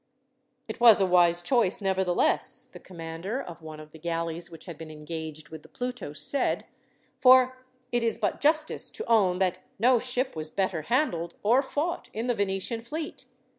"It was a wise choice nevertheless," the commander of one of the galleys which had been engaged with the Pluto said, "for it is but justice to own that no ship was better handled, or fought, in the Venetian fleet.